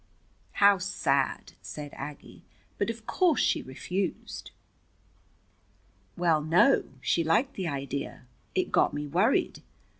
"How sad!" said Aggie. "But of course she refused?" "Well, no, she liked the idea. It got me worried.